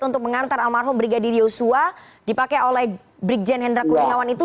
untuk mengantar almarhum brigadir yosua dipakai oleh brigjen hendra kuniawan itu